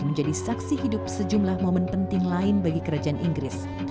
dan menjadi saksi hidup sejumlah momen penting lain bagi kerajaan inggris